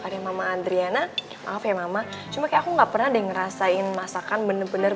semenjak ada mama adriana maaf ya mama cuma aku nggak pernah denger asain masakan bener bener